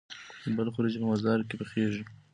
د بلخ وریجې په مزار کې پخیږي.